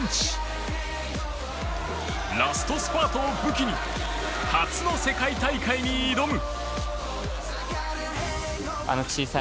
ラストスパートを武器に初の世界大会に挑む。